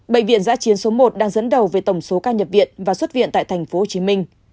bệnh viện giã chiến số một đang dẫn đầu về tổng số ca nhập viện và xuất viện tại tp hcm